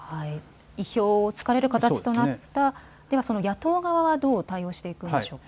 意表を突かれる形となったその野党側はどう対応していくんでしょうか。